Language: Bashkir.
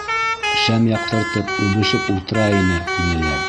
Шәм яҡтыртып үбешеп ултыра ине, тинеләр.